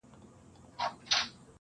• تا مي له سیوري بېلولای نه سم -